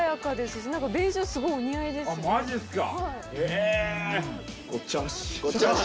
マジっすか！